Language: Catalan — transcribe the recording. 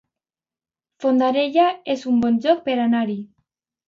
Fondarella es un bon lloc per anar-hi